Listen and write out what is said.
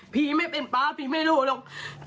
ไม่เป็นป๊าพี่ไม่รู้หรอก